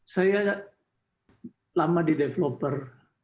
saya lama di developer